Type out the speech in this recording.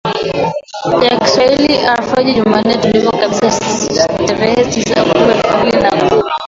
ya kiswahili rfi jumanne tulivu kabisa ya tarehe tisa oktoba elfu mbili na kumi